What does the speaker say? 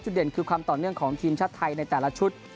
เด่นคือความต่อเนื่องของทีมชาติไทยในแต่ละชุด